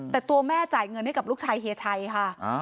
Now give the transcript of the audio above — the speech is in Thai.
แต่ตัวแม่จ่ายเงินให้กับลูกชายเฮียชัยค่ะ